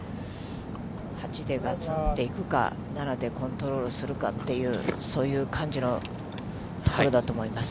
８でがつんといくか、７でコントロールするかっていう、そういう感じのところだと思います。